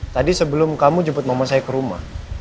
tadi sebelum kamu jemput mama saya ke rumah